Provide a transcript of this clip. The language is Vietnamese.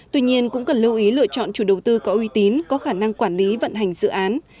tuy nhiên cũng cần lưu ý lựa chọn chủ đầu tư có uy tín có khả năng quản lý vận hành dự án